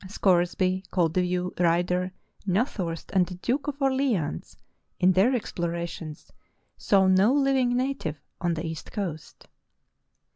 Scoresby, Koldewey, Ryder, Na thorst, and the Duke of Orleans, in their explorations, saw no living native on the east coast.